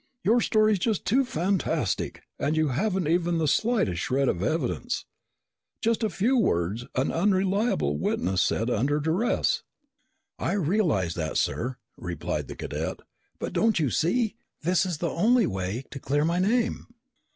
"Your story is just too fantastic and you haven't even the slightest shred of evidence. Just a few words an unreliable witness said under duress." "I realize that, sir," replied the cadet. "But don't you see? This is the only way to clear my name."